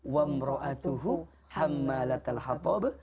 wamro'atuhu hammalatal hatab